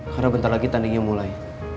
karena bentar lagi tandingnya mulai